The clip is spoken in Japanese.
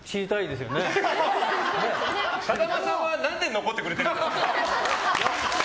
風間さんは何で残ってくれてるんですか？